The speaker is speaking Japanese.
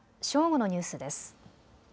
正午のニュースです。